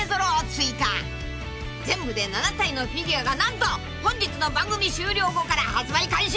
［全部で７体のフィギュアが何と本日の番組終了後から発売開始！］